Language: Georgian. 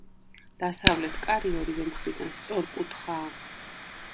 დასავლეთ კარი ორივე მხრიდან სწორკუთხაა.